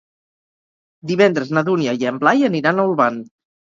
Divendres na Dúnia i en Blai aniran a Olvan.